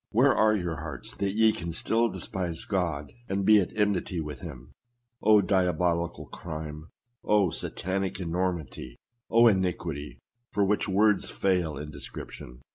Where are your hearts, that ye can still despise God, and be at enmity with him ? Oh ! diabolical crime! Oh! satanic enormity! Oh! iniquity for which words fail in description